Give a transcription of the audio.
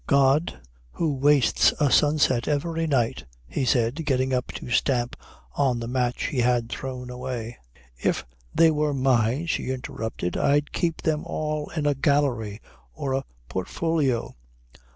"God, who wastes a sunset every night " he said, getting up to stamp on the match he had thrown away "If they were mine," she interrupted, "I'd keep them all in a gallery or a portfolio."